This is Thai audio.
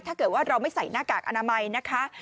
ถ้าเกิดว่าเราไม่ใส่หน้ากากอนามัยนะคะ